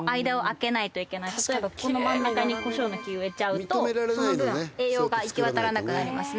例えばここの真ん中にコショウの木植えちゃうとその分栄養が行き渡らなくなりますね。